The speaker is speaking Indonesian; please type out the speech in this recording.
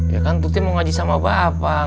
ya kan tuti mau ngaji sama bapak